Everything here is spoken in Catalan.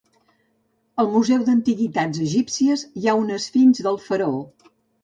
Al Museu d'Antiguitats Egípcies hi ha una esfinx del faraó.